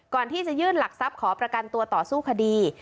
ก่อนที่จะยื่นหลักทรัพย์ขอประกันตัวต่อสู้คดี